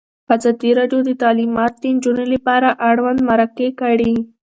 ازادي راډیو د تعلیمات د نجونو لپاره اړوند مرکې کړي.